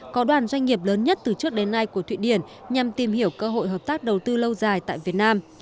có đoàn doanh nghiệp lớn nhất từ trước đến nay của thụy điển nhằm tìm hiểu cơ hội hợp tác đầu tư lâu dài tại việt nam